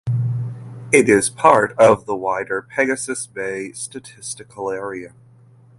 It is part of the wider Pegasus Bay statistical area.